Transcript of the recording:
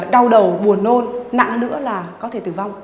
đau đầu buồn nôn nặng nữa là có thể tử vong